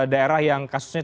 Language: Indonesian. daerah yang kasusnya